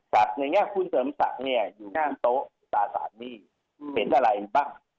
สัตว์ในแง่คุณเสริมสัตว์เนี่ยอยู่ในโต๊ะตราสารหนี้เห็นอะไรบ้าง